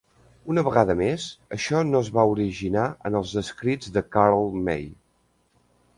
Una vegada més, això no va es va originar en els escrits de Karl May.